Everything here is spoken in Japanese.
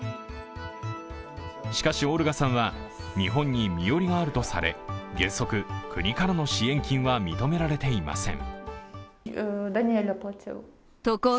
しかし、オルガさんは日本に身寄りがあるとされ原則、国からの支援金は認められていません。